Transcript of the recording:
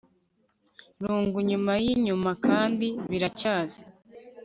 rung nyuma yinyuma kandi biracyaza